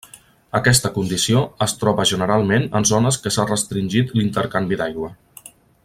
Aquesta condició es troba generalment en zones que s'ha restringit l'intercanvi d'aigua.